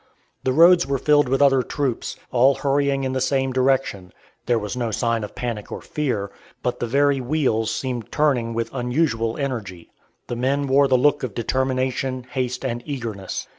The roads were filled with other troops, all hurrying in the same direction. There was no sign of panic or fear, but the very wheels seemed turning with unusual energy. The men wore the look of determination, haste, and eagerness.